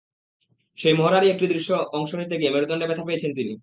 সেই মহড়ারই একটি দৃশ্য অংশ নিতে গিয়ে মেরুদণ্ডে ব্যথা পেয়েছেন তিনি।